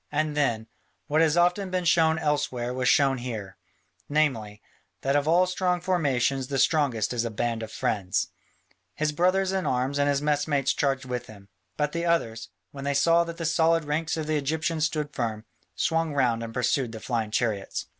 And then, what has often been shown elsewhere was shown here, namely, that of all strong formations the strongest is a band of friends. His brothers in arms and his mess mates charged with him, but the others, when they saw that the solid ranks of the Egyptians stood firm, swung round and pursued the flying chariots.